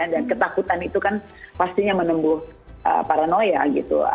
dan ketakutan itu kan pastinya menembus paranoia gitu